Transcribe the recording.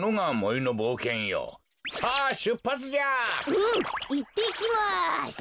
うんいってきます！